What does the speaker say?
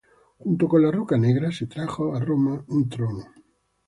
Junto con la roca negra, se trajo a Roma un trono.